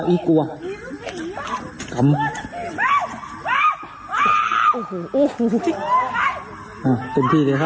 ต้องจดเข้าให้ว่าเราเป็นอย่างดีนะฮะ